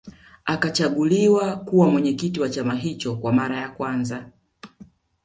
Akachaguliwa kuwa mwenyekiti wa chama hicho kwa mara ya kwanza